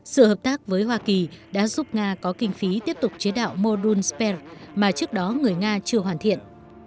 sự hợp tác với hoa kỳ đã giúp nga có kinh phí tiếp tục chế đạo mô đun spear mà trước đó người nga chưa hoàn thiện